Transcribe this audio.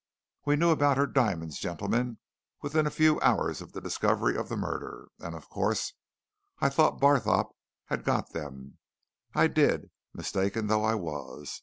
We knew about her diamonds, gentlemen, within a few hours of the discovery of the murder, and of course, I thought Barthorpe had got them; I did, mistaken though I was!